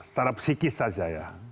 secara psikis saja ya